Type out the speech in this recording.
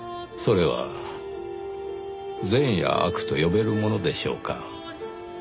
それは善や悪と呼べるものでしょうか？